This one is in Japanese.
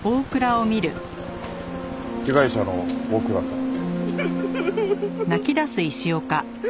被害者の大倉さん？